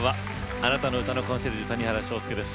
あなたの歌のコンシェルジュ谷原章介です。